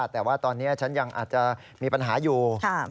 แต่ว่าตอนนี้ฉันยังอาจจะมีปัญหาอยู่